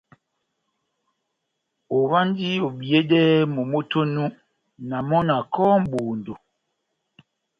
Ová ondi obiyedɛ momó tɛ́h onu, na mɔ́ na kɔ́hɔ́ mʼbondo.